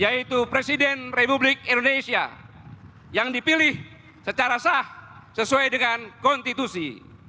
yaitu presiden republik indonesia yang dipilih secara sah sesuai dengan konstitusi